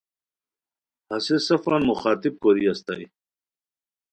ہسے سفان مخاطب کوری استائے